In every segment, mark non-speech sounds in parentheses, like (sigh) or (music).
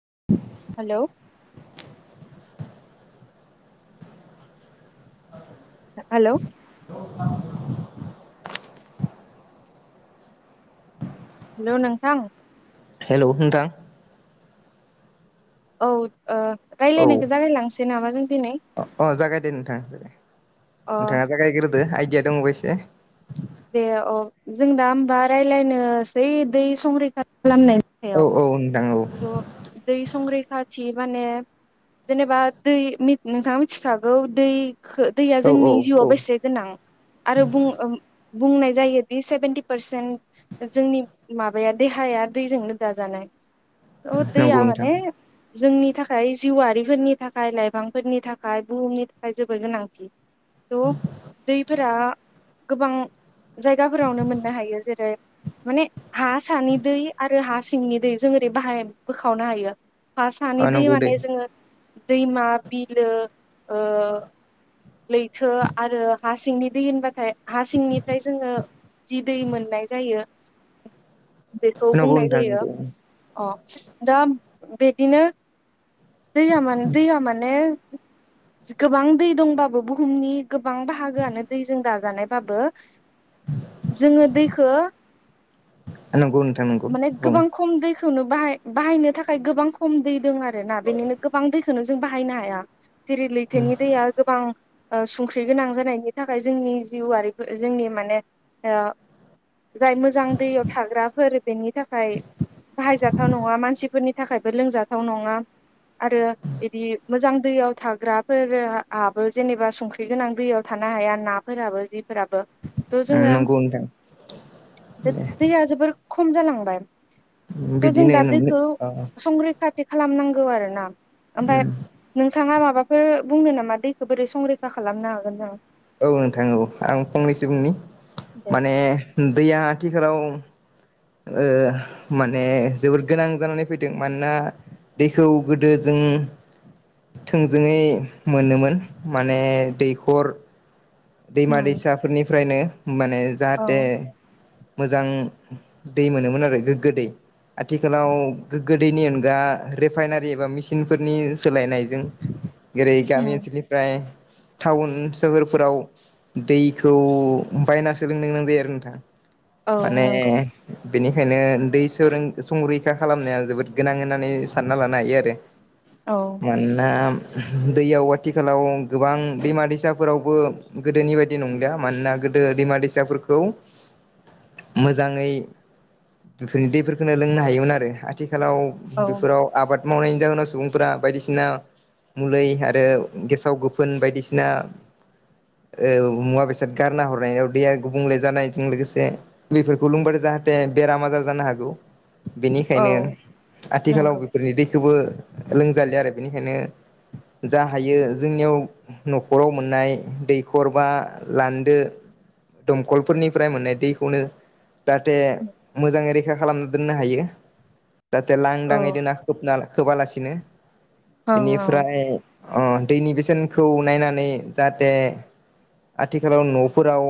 (inaudible) Hello hello (inaudible) hello नोंथां hello नोंथां औ ओ रायज्लायनायखौ जागाय लांसै (unintelligible) नामा जों दिनै अ अ जागायदे नोंथां अ नोंथाङा जागायग्रोदो आइ आयदिया दं एसे दे औ जों दा होमबा राय्लायनोसै दै संरैखा खालामनायनि औ सायाव औ नोंथां औ थ' दै संरैखाथि माने जेनेबा दै नोंथाङा मिथिखागौ दै खो दैया औ औ जोंनि औ जिउआव बेसे गोनां आरो बुं बुंनाय जायो दि सेभेेनटि पारसेन्ट जोंनि माबाया देहाया दैजोंनो दाजानाय औ दैया नंगौ नोंथां माने जोंनि थाखाय जिउआरिफोरनि थाखाय लाइफांफोरनि थाखाय बुहुमनि थाखाय जोबद गोनांथि थ' दैफोरा गोबां जायगाफोरावनो मोननो हायो जेरै माने हा सानि दै आरो हा सिंनि दै जों ओरै बाहाय बोखावनो हायो हा सानि दै माने जोङो दैमा बिलो ओ लैथो आरो हा सिंनि दै होनबाथाय हा सिंनिफ्राय जोङो जि दै मोननाय जायो बेखौ नंगौ बुंनाय नोंथां जायो। नंगौ अ दा बेदिनो दैया माने दैया माने (inaudible) गोबां दै दंबाबो बुहुमनि गोबां बाहागोआनो दैजों दाजानाय बाबो जोङो दैखौ नंगौ नोंथां नंगौ माने बुं गोबां खम दै खौनो बाहायनो थाखाय गोबां खम दै दं आरो ना बेनिनो गोबां दै जों बाहायनो हाया जेरै लैथोनि दैया गोबां संख्रि गोनां जानायनि थाखाय जोंनि जिउआरिफोर जोंनि माने जाय मोजां दैयाव थाग्राफोर बेनि थाखाय बाहायजाथाव नङा मानसिफोरनि थाखायबो लोंजाथाव नङा आरो बिदि मोजां दैयाव थाग्राफोराबो जेनेबा संख्रि गोनां दैयाव थानो हाया नाफोराबो जिफोराबो थ' जोङो नंगौ नोंथां दे दैया जोबोर खम जालांबाय जों बिदिनो दा नोंनो दैखौ अ संरैखा बिदि खालामनांगौ आरो ना ओमफाय नोंथाङा माबा माबाफोर बुंनो नामा दैखौ बोरै संरैखा खालामनो हागोन नामा औ नोंथां औ आं फंनैसो बुंनि दे माने दैया (unintelligible) ओ माने जोबोर गोनां जानानै फैदों मानोना दैखौ गोदो जों थोंजोङै मोनोमोन माने दैखर दैमा दैसाफोरनि फ्रायनो माने औ जाहाथे मोजां दै मोनोमोन आरो गोग्गो दै आथिखालाव गोग्गो दैनि अनगा रिफाइनारि एबा मिेसििनफोरनि सोलायनायजों गेरै गामि ओनसोलनिफ्राय टाउन सोहोरफोराव दैखौ बायना सोलोंनो गोनां जायो आरो नोंथां औ माने नंगौ बेनिखायनो दै संरैखा खालामनाया जोबोद गोनां होननानै सानना लानो हायो आरो औ मानोना दैयाव आथिखालाव गोबां दैमा दैसाफोरावबो गोदोनि बायदि नंलिया मानोना गोदो दैमा दैसाफोरखौ मोजाङै बेफोरनि दैफोरखौनो लोंनो हायोमोन आरो आथिखाल आथिखालाव औ बेफोराव आबाद मावनायनि जाहोनाव सुबुंफोरा बायदिसिना मलै आरो गेसाव गोफोन बायदिसिना औ मुवा बेसाद गारना हरनायाव दैया गुबुंले जानायजों लोगोसे दैफोरखौ लोंबथाय जाहाथे बेराम आजार जानो हागौ बेनिखायनो औ आथिखालाव नंगौ बेफोरनि दै खौबो लोंजालिया आरो बेनिखायनो जा हायो जोंनियाव न'खराव मोननाय दै दैखरबा लान्दो दमखलफोरनिफ्राय मोननाय दैखौनो जाहाथे मोजाङै रै रैखा खालामना दोननो हायो जाहाथे औ लांदाङै ओं दोना खोब नालाय होबालासिनो औ बिनिफ्राय अ दैनि बेसेनखौ नायनानै जाहाथे आथिखालाव न'फोराव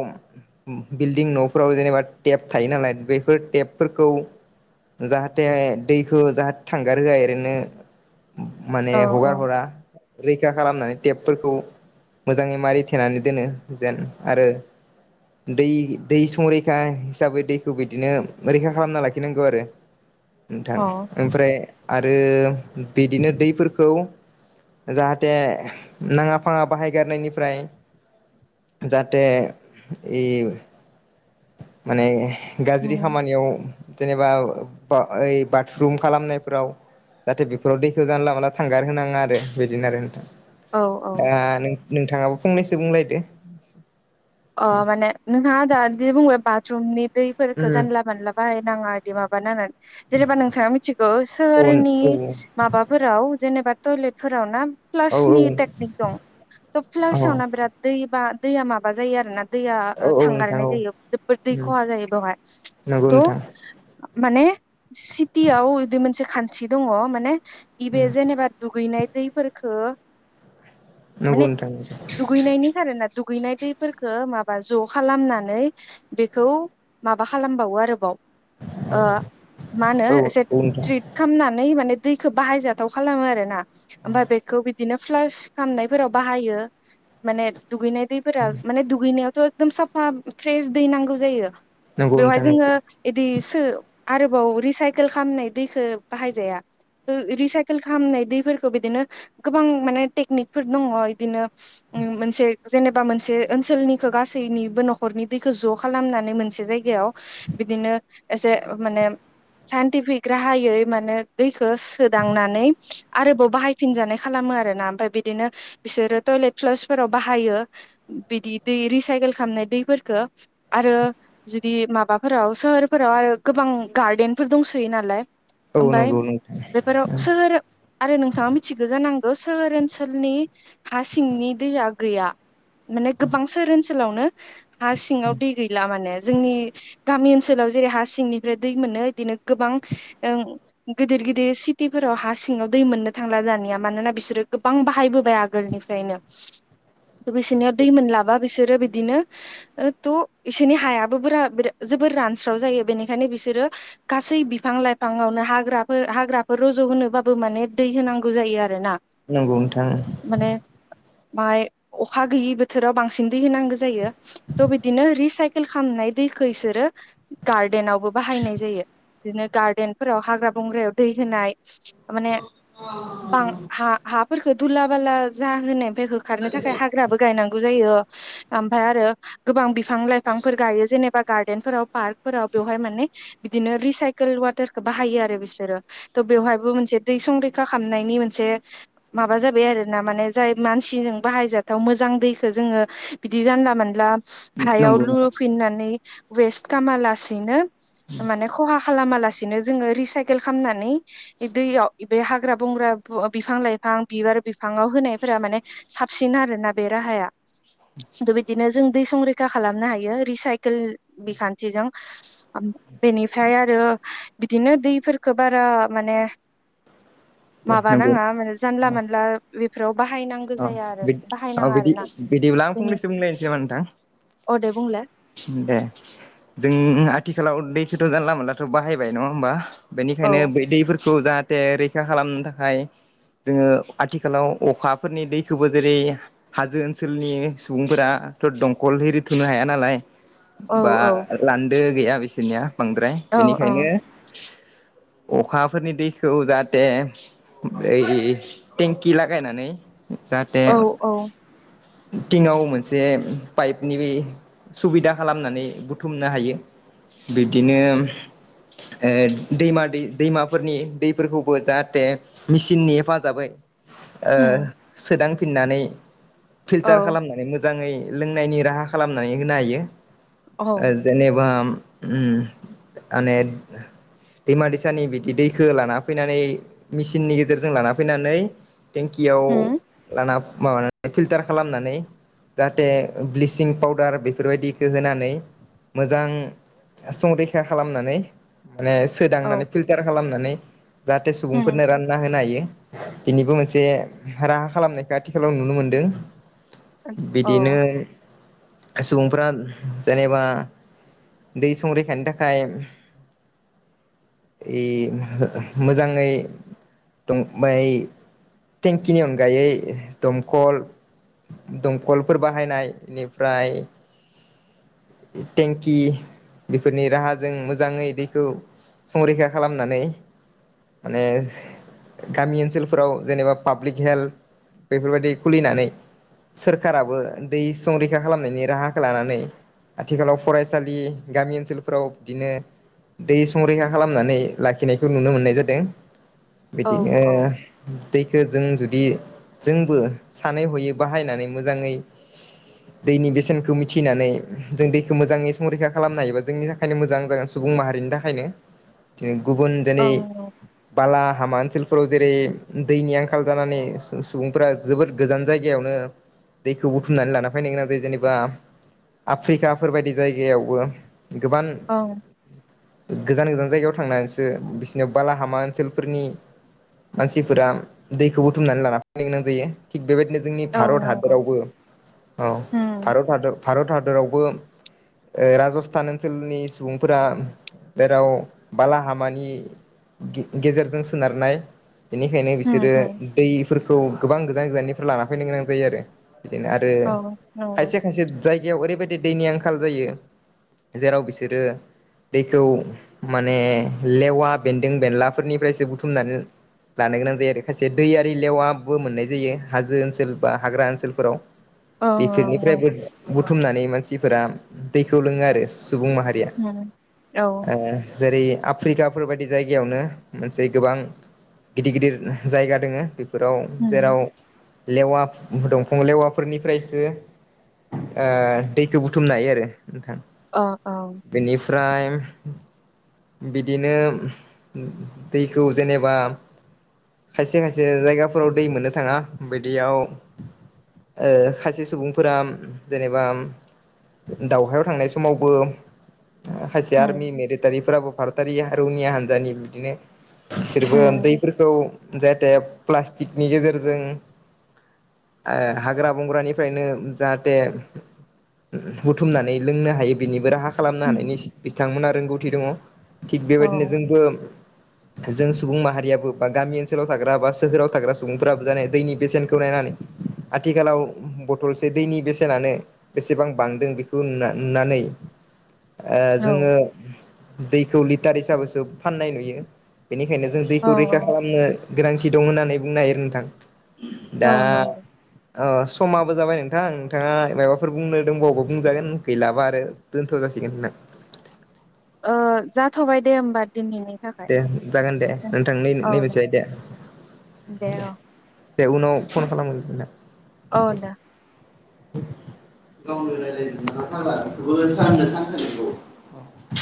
बिल्डिं न'फोराव जेनेबा टेप थायो नालाय बेफोर टेपफोरखौ जाहाथे दैखौ जाहाथे थांगार होआ ओरैनो माने औ हगार हरा रैखा खालामनानै टेपफोरखौ मोजाङै मारै (unintelligible) दोनो जेन आरो दै दै संरैखा हिसाबै दैखौ बिदिनो रैखा खालामना लाखिनांगौ आरो नोंथां औ ओमफ्राय आरो बिदिनो दैफोरखौ जाहाथे नाङा फाङा बाहायगारनायनिफ्राय जाहाथे इ माने गाज्रि खामानियाव जेनेबा ओइ बाथरुम खालामनायफोराव जाहाथे बेफोराव दैखौ जानला मला थांगार होनाङा आरो बिदिनो आरो औ औ नोंथां आ (unintelligible) नोंथाङाबो फंनैसो बुंलायदो अ माने नोंहा (unintelligible) (unintelligible) दैफोरखौ जानला मानला बाहायनाङा (unintelligible) जेनेबा नोंथाङा मिथिगौ उम सोहोरनि औ माबाफोराव जेनेबा टयलेटफोराव ना औ फ्लासनि टेकनिक दं त' फ्लासावना बिराद दै बा दैया मा (unintelligible) दैया औ औ नोंथां थांगारनाय औ जायो जोबबोद दै उम खहा जायो बेहाय नंगौ थ' नोंथां माने सिटियाव बिदि मोनसे खान्थि दङ माने इ बे उम जेनबा दुगैनाय दैै फोरखौ नंगौ माने नोंथां दुगैनायनि खारोना दुगैनाय दै फोरखो माबा ज' खालामनानै बेखौ माबा खालामबावो आरोबाव ओ मा होनो औ एसे नोंथां ट्रिट खामनानै माने दैखौ बाहायजाथाव खालामो आरो ना। आफाया बेखौ बिदिनो फ्लास खामनायफोराव बाहायो माने दुगैनाय दैफोरा गैनायावथ' एकदम साफा फ्रेस दै नांगौ जायो। नंगौ बेवहाय नोंथां नंगौ जोङो इदि सो आरोबाव रिसाइकोल खालामनाय दैखो बाहायजाया ओ रिसाइकोल खालामनाय दैफोरखौ बिदिनो गोबां माने टेकनिक फोर दङ इदिनो उम मोनसे जेनेबा मोन से ओनसोलनिखौ गासैनिबो न'खरनि दैखौ ज' खालामनानै मोनसे जायगायाव बिदिनो एसे माने साइन्टिफिक राहायै माने दैखो सोदांनानै आरोबाव बाहायफिनजानाय खालामो आरोना ओमफाय बिदिनो बिसोरो टयलेट फ्लस फोराव बाहायो बिदि दै रिसाइकेल खालामनाय दैफोरखो आरो जुदि माबाफोराव सोहोरफोराव आरो गोबां गार्देनफोर दंसोयो नालाय औ ओमफाय नंगौ नोंथां बेफोराव सोहोर आरो नोंथाङा मिथिगो जानां सोहोर ओनसोलनि हा सिंनि दैया गैया माने गोबां सोहोर ओन सोलावनो हा सिङाव दै गैला माने जोंनि गामि ओनसोलाव जेरै हा सिंनिफ्राय दै मोनो इदिनो गोबां ओ गिदिर गिदिर सिटिफोराव हा सिङाव दै मोननो थांला दानिया मानोना बिसोरो गोबां बाहायबोबाय आगोलनिफ्रायनो बिसोरनियाव दै मोनलाबा बिसोरो बिदिनो त' इसोरनि हायाबो बोरा जोबोर रानस्राव जायो बेनिखायनो बिसोरो गासै बिफां लाइफाङावनो हाग्राफोर हाग्राफोर रज' होनोबाबो माने दै होनांगौ जायो आरो ना। नंगौ नोंथां। माइ अखा गैयि बो थोराव बांसिन दै होनांगो जायो त' बिदिनो रिसाइकेल खालामनाय दैखो इसोरो गार्देनाव बो बाहायनाय जायो। बिदिनो गार्देनफोराव हाग्रा बंग्रायाव दै होनाय माने बां हा हा फोरखो धुला बाला जाहोनाय फ्राय होखारनो थाखाय हाग्राबो गायनां यो ओमफाय आरो गोबां बि फां लाइफांफोर गायो जेने बा गार्देनफोराव पार्कफोराव बेवहाय माने बिदिनो रिसाइकोल वाटारखो बाहायो आरो बिसोरो त' बेवहायबो मोनसे दै संरैखा खामनायनि मोनसे माबा जाबाय आरोना माने जाय मानसिंजों बाहायजाथाव मोजां दैख खो जोङो बिदि जानला मानला हायाव नंगौ लु नोंथां फिननानै वेस्ट कामालासिनो माने खहा खालामालास दिनो जोङो रिसाइकेल खालामनानै दैयाव बे हाग्रा बंग्रा ब बिफां लाइफां बिबार बिफांआव होनायफोरा माने साबसिन आरोना बे राहाया। थ' बिदिनो जों दै संरैखा खालामनो हायो रिसाइकोल बिखान्थिजों बेनिफ्राय आरो बिदिनो दैफोरखो बारा माने दे माबा नंगौ नाङा माने जानला मानला बे बाहायनांगौ अ जाया आरो अ बाहायनाङा बिदि आरोना। बिदिब्ला आं बेनि फंनैसो बुंलायनोसै नामा नोंथां अ दे बुंलाय दे जों आथिखालाव दैखौथ जानला मोनलाथ बाहायबाय नङा होमबा। औ बेनिखायनो बै दैैफोर खौ जाहाथे रैखा खालामनो थाखाय जोङो आथिखालाव अखा फोरनि दैखौबो जेरै हाजो ओनसोलनि सुबुंफोराथ दंखल एरि थुनो हाया नालाय। औ बा औ लांदो गैया बिसोरनिया। बांद्राय औ बेनिखायनो अखाफोरनि दैखौ जाहाथे ओ टेंकि लागायनानै जाहाथे औ औ बिथिङाव मोनसे पाइपनि सुबिदा खालामनानै बुथुमनो हायो बिदिनो दैमा दै दैमाफोरनि दैफोरखौबो जाहाथे मेसिननि हेफाजाबै ओ होम सोदांफिननानै औ फिल्टार खालामनानै मोजां। मोजाङै लोंनायनि राहा खालामनानै होनो हायो। औ जेनेबा ओम माने दैमा दैसानि बिदि दैखो लाना फैनानै मेचिननि गेजेरजों लाना फैनानै टेंकियाव होम लाना माबानानै फिल्टार खालामनानै जाहाथे ब्लिसिं पाउदार बेफोरबायदिखौ होनानै मोजां संरैखा खालामनानै ओ औ सोदांनानै फिल्टार खालामनानै जाहाथे होम सुबुंफोरनो रानना होनो हायो। बेनिबो मोनसे राह खालामनायखौ आथिखालाव नुनो मोनदों। औ बिदिनो सुबुंफोरा जेनेबा दै संरैखानि थाखाय मोजाङै दं ब थटेंकिनि अनगाय गायै दमखल दमखलफोर बाहायनाय बेनिफ्राय टेंकि बेफोरनि राहाजों मोजाङै दैखौ संरैखा खालामनानै माने गामि ओनसोलफोराव जेनेबा पाब्लिक हेल्थ बेफोरबायदि खुलिनानै सोरखाराबो दै संरैखा खालामनायनि राहाखौ लानानै आथिखालाव फरायसालि गामि ओनसोलफोराव बिदिनो दै संरैखा खालामनानै लाखिनायखौ नुनो मोननाय जादों। औ बिदिनो औ दैखौ जों जुदि बि जोंबो सानै हयै बाहायनानै मोजाङै दैनि बेसेनखौ मिथिनानै जों दैखौ मोजाङै संरैखा खालामनो हायोबा जोंनि थाखायनो मोजां जागोन सुबुं माहारिनि थाखायनो बि गुबुन दिनै ओं बाला हामा ओनसोल फोराव जेरै दैनि आंखाल जानानै सुबुंफोरा जोबोद गोजान जायगायावनो दैखौ बुथुमनानै लाना फैनो गोनां जायो जेनेबा आफ्रिकाफोरबायायदि जायगायावबो गोबां ओं गोजान गोजान जायगायाव थांनानैसो बिसोरनियाव बालाहामा ओनसोलफोरनि मानसिफोरा दैखौ बुथुमनानै लाना फ (unintelligible) गोनां जायो थिग बेबायदिनो जोंनि औ भारत नंगौ हादरावबो औ होम भारत हादर भारत हादरावबो ओ राजस्थान ओनसोलनि सुबुंफोरा जेराव बालाहामानि गे गेजेरजों सोनारनाय बेनिखायनो होम बिसोरो होम दै गोबां गोजान गोजाननिफ्राय लाना फैनो गोनां जायो आरो बिदिनो आरो औ नंगौ खायसे खायसे जायगायाव ओरैबायदि दैनि आंखाल जायो जेराव बिसोरो दैखौ माने लेवा बेन्दों बेनलाफोरनिफ्रायसो बुथुमनानै लानो गोनां जायो आरो खायसे दैया दै लेवाबो मोननाय जायो हाजो ओनसोल बा हाग्रा ओनसोलफोराव ओं ओं बेफोरनिफ्रायबो नंगौ बुथुमनानै मानस सिफोरा दैखौ लोङो आरो सुबुं माहारिया होम औ आ जेरै आफ्रिकाफोर बायदि जायगायावनो मोनसे गोबां गिदिर गिदिर जायगा दङो फोराव होम जेराव लेवा दंफां लेवाफोरनिफ्रायसो आ दैखौ बुथुमनो हायो आरो नोथां अ औ बेनिफ फ्राय बिदिनो दैखौ जेनेबा खायसे खायसे जे जायगाफोराव दै मोननो थाङा बिदियाव ओ खायसे सुबुंफोरा जेनेबा दावहायाव थांनाय समावबो हासियार मि होम मेरितारिफोराबो भारतारि रौनिया हान्जानि बिदिनो बिसोरबो होम उन्दैफोरखौ जे (unintelligible) प्लास्टिकनि गेजेरजों आ हाग्रा बंग्रानिफ्रायनो जाहाथे बुथुमनानै लोंनो हायो बिनिबो राहा खालामनो होम हानायनि बिथांमोना रोंगौथि दङ थिग औ बेबायदिनो जोंबो जों सुबुं माहारियाबो बा गामि ओनसोलाव थाग्रा बा सोहोरावाग्रा सुबुंफोरा बुजानाय दैनि बेसेनखौ नायनानै आथिखालाव बथलसे दैनि बेसेनानो बेसेबां बांदों बेखौ नुना नुनानै आ औ जोङो दैखौ लिटार हिसाबैसो फाननाय नुयो। बेनिखायनो जों औ दैखौ रैखा औ खालामनो गोनांथि दं होननानै बुंनो हायो नोंथां औ नंगौ अ समाबो जाबाय नोंथां नोंथाङा मायबाफोर बुंनो दोंबावो बा बुंजागोन गैलाबा आरो दोनथ' जासिगोन खोना। ओ जाथ'बाय दे होमबा। दिनैनि थाखाय दे जागोन दे नोंथां नै-नैबेसाय दे दे । औ दे उनाव फन खालामगोन ना औ दा (unintelligible) (inaudible)